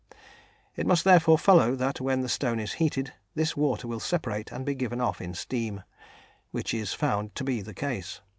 It must therefore follow that when the stone is heated, this water will separate and be given off in steam, which is found to be the case.